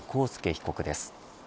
被告です。